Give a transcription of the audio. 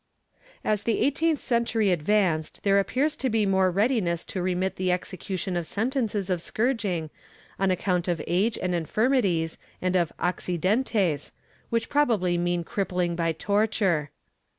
^ As the eighteenth century advanced there appears to be more readiness to remit the execution of sentences of scourging on account of age and infirmities and of " accidentes," which probably mean crippling by torture.